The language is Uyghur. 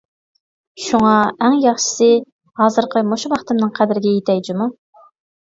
شۇڭا، ئەڭ ياخشىسى، ھازىرقى مۇشۇ ۋاقتىمنىڭ قەدرىگە يېتەي جۇمۇ!